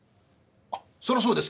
「あっそらそうですか」。